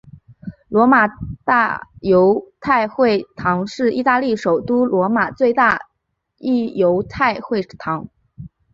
罗马大犹太会堂是意大利首都罗马最大的犹太会堂。